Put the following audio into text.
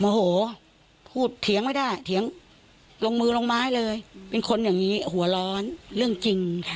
โหพูดเถียงไม่ได้เถียงลงมือลงไม้เลยเป็นคนอย่างนี้หัวร้อนเรื่องจริง